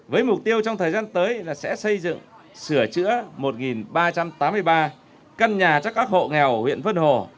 với mục tiêu trong thời gian tới là sẽ xây dựng sửa chữa một ba trăm tám mươi ba căn nhà cho các hộ nghèo ở huyện vân hồ